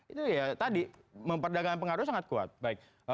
itu ya tadi memperdagangkan pengaruh sangat kuat